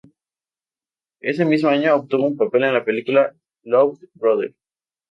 Ese mismo año obtuvo un papel en la película "Love's Brother".